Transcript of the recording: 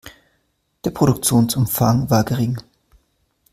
Der Produktionsumfang war gering.